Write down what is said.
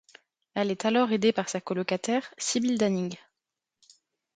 Elle est alors aidée par sa colocataire, Sybyl Danning.